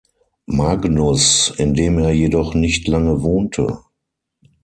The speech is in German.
Magnus, in dem er jedoch nicht lange wohnte.